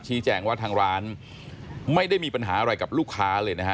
แจ้งว่าทางร้านไม่ได้มีปัญหาอะไรกับลูกค้าเลยนะฮะ